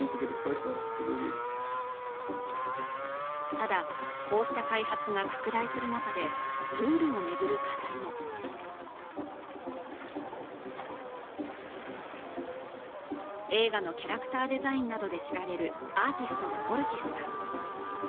ただこうした開発が拡大する中でルールを巡る課題も映画のキャラクターデザインなどで知られるアーティストのオルティスさん